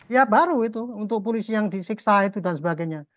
ya baru itu untuk polisi yang disiksa itu dan sebagainya